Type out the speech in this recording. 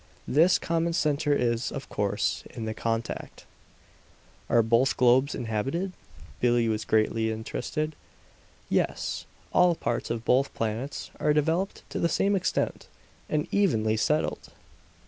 This common center is, of course, in the contact." "Are both globes inhabited?" Billie was greatly interested. "Yes. All parts of both planets are developed to the same extent, and evenly settled.